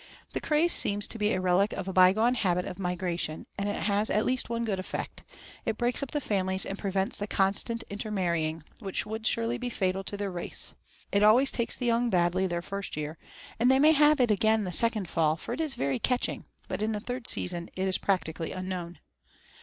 The craze seems to be a relic of a bygone habit of migration, and it has at least one good effect, it breaks up the families and prevents the constant intermarrying, which would surely be fatal to their race. It always takes the young badly their first year, and they may have it again the second fall, for it is very catching; but in the third season it is practically unknown.